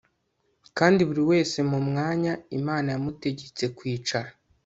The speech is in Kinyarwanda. kandi buri wese mu mwanya imana yamutegetse kwicara